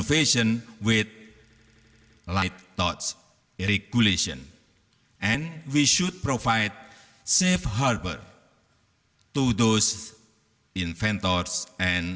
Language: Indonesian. menerima kekuatan keamanan untuk inventori dan pembangunan